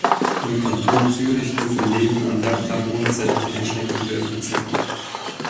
Im Kanton Zürich dürfen Läden an Werktagen ohne zeitliche Einschränkungen geöffnet sein.